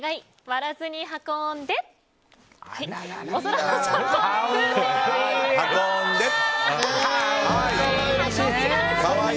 割らずに運んで可愛い！